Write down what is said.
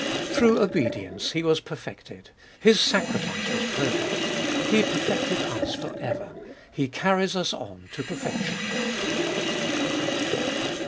Through obedience He was perfected, His sacrifice was perfect, He perfected us for ever, He carries us on to perfection.